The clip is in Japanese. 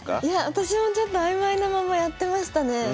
私もちょっと曖昧なままやってましたね。